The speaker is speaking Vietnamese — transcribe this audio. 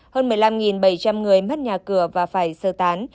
hơn một mươi năm bảy trăm linh người mất nhà cửa và phải sơ tán